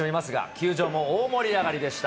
球場も大盛り上がりでした。